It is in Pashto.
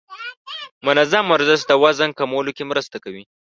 منظم ورزش د وزن کمولو کې مرسته کوي.